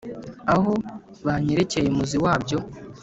Aho banyerekeye umuzi wabyo